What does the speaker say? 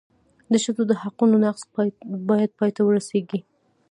د ښځو د حقونو نقض باید پای ته ورسېږي.